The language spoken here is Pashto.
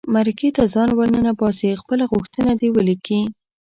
مرکې ته ځان ور ننباسي خپله غوښتنه دې ولیکي.